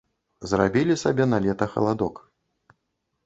Зрабілі сабе на лета халадок.